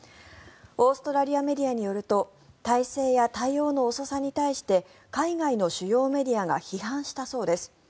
オーストラリアメディアによると態勢や対応の遅さに対して海外の主要メディアが批判したそうです。